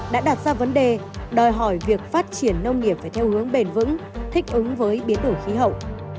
đã đặt ra vấn đề đòi hỏi việc phát triển nông nghiệp phải theo hướng bền vững thích ứng với biến đổi khí hậu